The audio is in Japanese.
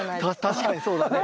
確かにそうだね。